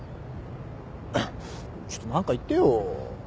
ちょっと何か言ってよ。